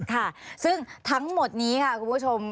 ค่ะซึ่งทั้งหมดนี้ค่ะคุณผู้ชม